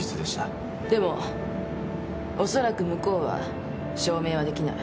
でも恐らく向こうは証明はできない。